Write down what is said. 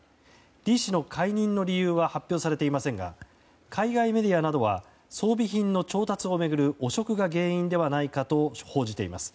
リ氏の解任の理由は発表されていませんが海外メディアなどは装備品の調達を巡る汚職が原因ではないかと報じています。